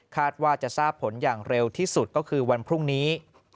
ว่าจะทราบผลอย่างเร็วที่สุดก็คือวันพรุ่งนี้